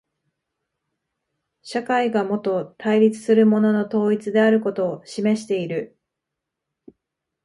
社会がもと対立するものの統一であることを示している。